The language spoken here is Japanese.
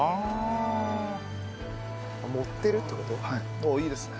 ああいいですね。